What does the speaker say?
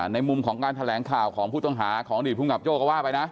ในมุมของการแถลงข่าวของผู้ต้องหาของอดีตภูมิกับโจ้ก็ว่าไปนะ